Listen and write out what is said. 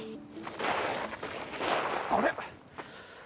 あれ？